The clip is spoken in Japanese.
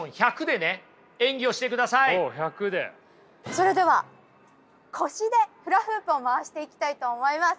それでは腰でフラフープを回していきたいと思います。